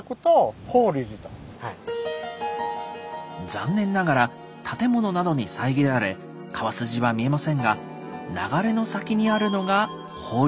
残念ながら建物などに遮られ川筋は見えませんが流れの先にあるのが法隆寺。